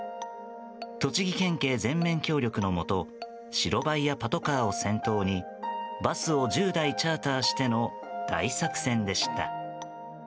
栃木県警全面協力のもと白バイやパトカーを先頭にバスを１０台チャーターしての大作戦でした。